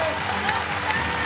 やったー！